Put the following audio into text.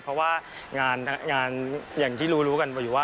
เพราะว่างานอย่างที่รู้รู้กันมาอยู่ว่า